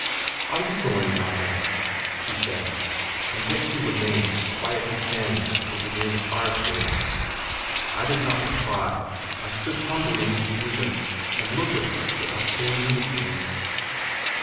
"Are you going now, then?" she said, and yet she remained quietly standing over near the fireplace. I did not reply. I stood humbly in confusion, and looked at her without saying anything.